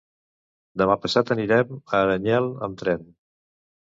Demà passat anirem a Aranyel amb tren.